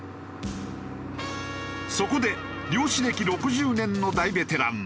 そこで漁師歴６０年の大ベテラン